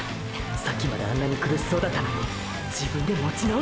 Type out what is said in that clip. さっきまであんなに苦しそうだったのに自分で持ち直した！！